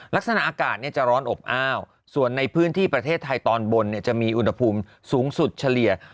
ลักษณะอากาศจะร้อนอบอ้าวส่วนในพื้นที่ประเทศไทยตอนบนจะมีอุณหภูมิสูงสุดเฉลี่ย